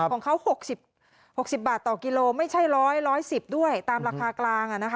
ของเขา๖๐บาทต่อกิโลไม่ใช่ร้อย๑๑๐ด้วยตามราคากลางอ่ะนะคะ